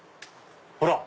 ほら！